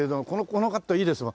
このカットいいですわ。